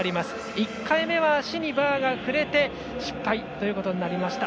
１回目は足にバーが触れて失敗となりました。